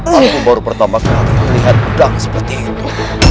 aku baru pertama kali melihat pedang seperti itu